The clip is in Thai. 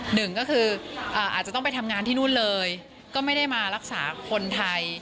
หนึ่งก็คืออาจจะต้องไปทำงานที่นู่นเลยก็ไม่ได้มารักษาคนไทย